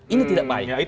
ini tidak baik